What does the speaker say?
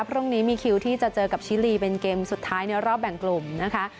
พรุ่งนี้มีคิวที่จะเจอกับชิลีเป็นเกมสุดท้ายในรอบแบ่งกลุ่มนะคะ